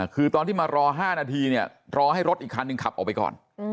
คือตอนที่มารอ๕นาทีเนี่ยรอให้รถอีกคันหนึ่งขับออกไปก่อน